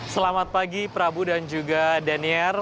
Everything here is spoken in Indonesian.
selamat pagi prabu dan juga daniel